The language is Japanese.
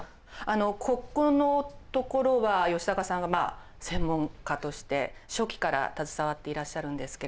ここのところは吉高さんが専門家として初期から携わっていらっしゃるんですけれども。